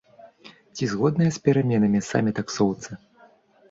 Ці згодныя з пераменамі самі таксоўцы?